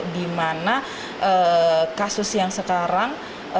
di mana kasus yang sekarang